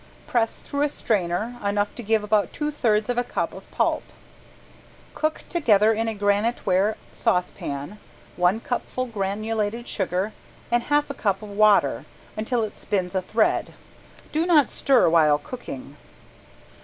Press through a strainer enough to give about two thirds of a cup of pulp. Cook together in a graniteware saucepan one cupful granulated sugar and half a cup of water until it spins a thread. Do not stir while cooking.